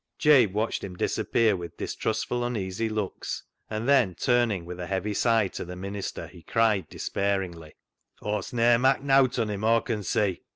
Jabe watched him disappear with distrustful, uneasy looks, and then, turning with a heavy sigh to the minister, he cried despairingly —" Aw'st ne'er mak' nowt on him, Aw con see.